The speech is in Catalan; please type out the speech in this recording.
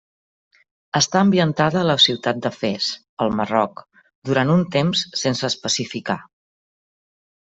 Està ambientada a la ciutat de Fes, al Marroc, durant un temps sense especificar.